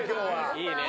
いいね。